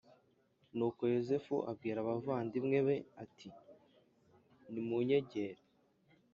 Nuko yozefu abwira abavandimwe be ati nimunyegere